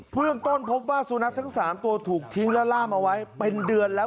เรื่องต้นพบว่าสุนัขทั้ง๓ตัวถูกทิ้งและล่ามเอาไว้เป็นเดือนแล้ว